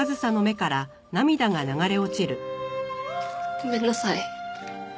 ごめんなさい。